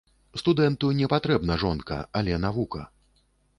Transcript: Студэнту не патрэбна жонка, але навука.